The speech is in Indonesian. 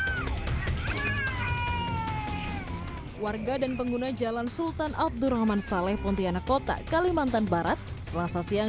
hai warga dan pengguna jalan sultan abdurrahman saleh pontianakota kalimantan barat selasa siang